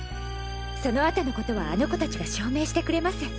そのあとの事はあの子たちが証明してくれます。